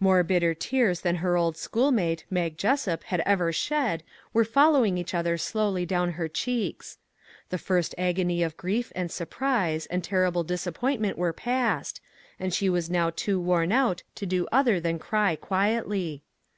More bitter tears than her old school mate Mag Jessup had ever shed were following each other slowly down her cheeks. The first agony of grief and surprise and terrible disappointment were past, and she was now too worn out to do other than cry quietly.